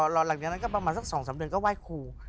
หลังจากนั้นก็ประมาณสัก๒๓เดือนก็ไหว้ครู